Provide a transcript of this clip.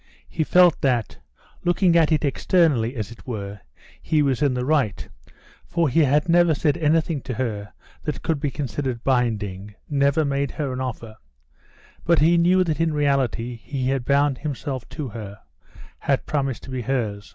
He felt that, looking at it externally, as it were, he was in the right, for he had never said anything to her that could be considered binding, never made her an offer; but he knew that in reality he had bound himself to her, had promised to be hers.